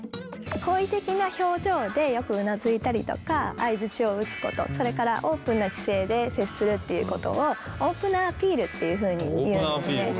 好意的な表情でよくうなずいたりとか相づちを打つことそれからオープンな姿勢で接するっていうことをオープナーアピールっていうふうに言うんですね。